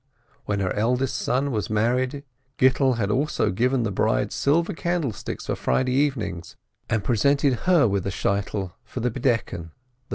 When her eldest son was married, Gittel had also given the bride silver candlesticks for Friday evenings, and presented her with a wig for the Veiling Ceremony.